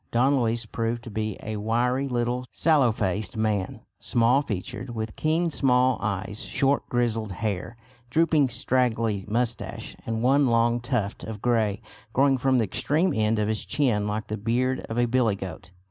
Don Luis proved to be a wiry little sallow faced man, small featured, with keen small eyes, short grizzled hair, drooping straggly moustache, and one long tuft of grey growing from the extreme end of his chin like the beard of a billygoat.